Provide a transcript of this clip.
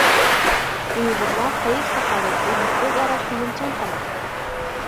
ئۇيغۇرلار خەير-ساخاۋەتلىك، ئۆزئارا كۆيۈمچان خەلق.